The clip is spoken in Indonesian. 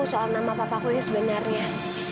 soal nama papaku ini sebenarnya